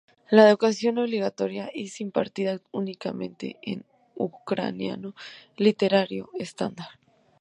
La educación obligatoria es impartida únicamente en ucraniano literario estándar.